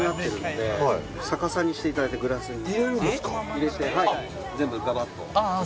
入れて全部ガバッと。